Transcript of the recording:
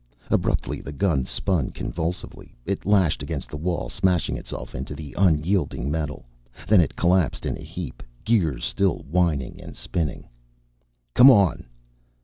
Abruptly the gun spun convulsively. It lashed against the wall, smashing itself into the unyielding metal. Then it collapsed in a heap, gears still whining and spinning. "Come on."